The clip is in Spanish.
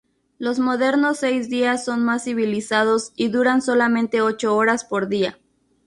Los modernos Seis Días son más civilizados y duran solamente ocho horas por día.